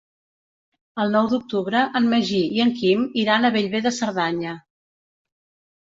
El nou d'octubre en Magí i en Quim iran a Bellver de Cerdanya.